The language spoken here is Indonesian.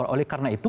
oleh karena itu